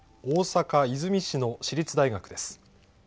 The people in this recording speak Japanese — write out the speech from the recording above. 大阪・和泉市の私立大学です。